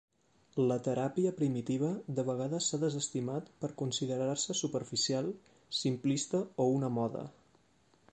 La teràpia primitiva de vegades s'ha desestimat per considerar-se superficial, simplista o una moda.